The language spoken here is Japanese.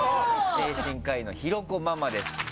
精神科医の広子ママです。